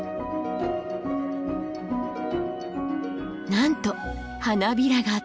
なんと花びらが透明に。